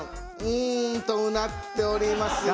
うんとうなっておりますが。